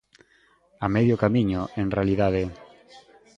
A medio camiño, en realidade.